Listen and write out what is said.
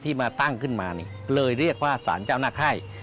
มาตั้งขึ้นมาเลยเรียกว่าสารเจ้าหน้าไข้